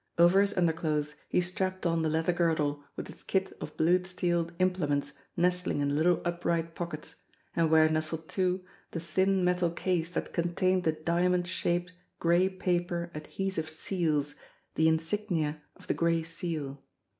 Over his underclothes he strapped on the leather girdle with its kit of blued steel implements nestling in the little upright pockets, and where nestled, too, the thin metal case that contained the diamond shaped, gray paper, adhesive seals, the insignia of the Gray Seal.